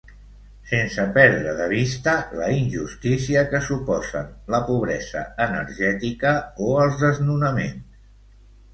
Sense perdre de vista la injustícia que suposen la pobresa energètica o els desnonaments.